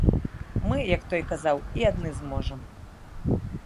Мы, як той казаў, і адны зможам.